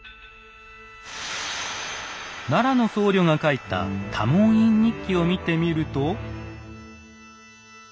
奈良の僧侶が書いた「多聞院日記」を見てみると。